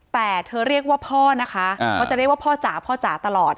แต่เธอเรียกว่าพ่อนะคะเขาจะเรียกว่าพ่อจ๋าพ่อจ๋าตลอด